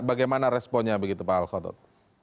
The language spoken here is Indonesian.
bagaimana responnya begitu pak alkhotot